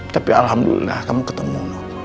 tapi alhamdulillah kamu ketemu